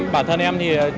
bản thân em thì